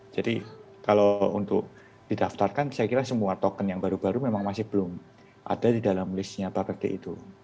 jadi kalau untuk didaftarkan saya kira semua token yang baru baru memang masih belum ada di dalam list nya bapepri itu